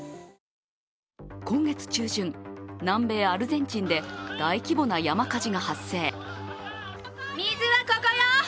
今月中旬、南米アルゼンチンで大規模な山火事が発生。